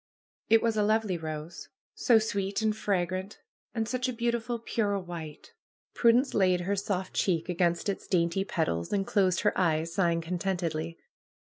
It was a lovely rose. So sweet and fragrant ! And such a beautiful pure white ! Prudence laid her soft cheek against its dainty petals, and closed her eyes, sighing contentedly.